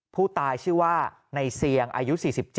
ผู้ตายชื่อว่าในเซียงอายุ๔๗